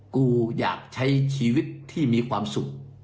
กูอยากใช้ชีวิตที่มีความสุข